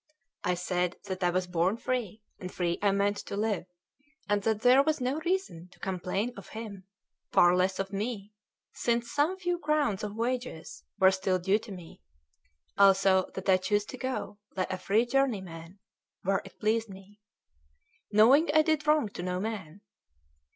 I said that I was born free, and free I meant to live, and that there was no reason to complain of him, far less of me, since some few crowns of wages were still due to me; also that I chose to go, like a free journeyman, where it pleased me, knowing I did wrong to no man.